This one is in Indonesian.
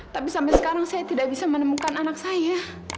tapi sampai sekarang saya tidak bisa menemukan anak saya